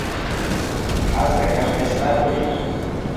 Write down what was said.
حەز دەکەم ئێستا بیبینم.